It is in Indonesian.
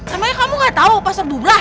emang kamu nggak tahu pasar bubrah